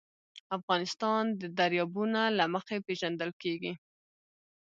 افغانستان د دریابونه له مخې پېژندل کېږي.